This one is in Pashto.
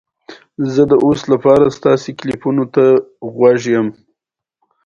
د دعا ارزښت د زړونو دوا ده.